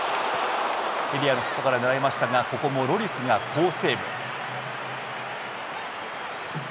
エリアの外から狙いましたがここもロリスに好セーブ。